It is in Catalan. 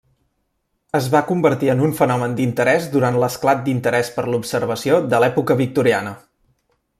Es va convertir en un fenomen d'interès durant l'esclat d'interès per l'observació de l'època victoriana.